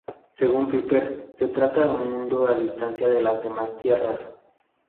Según Piper, se trata de un mundo a distancia de las demás tierras.